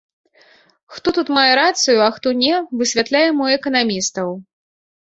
Хто тут мае рацыю, а хто не, высвятляем у эканамістаў.